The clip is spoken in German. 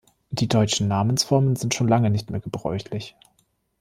Die deutschen Namensformen sind schon lange nicht mehr gebräuchlich.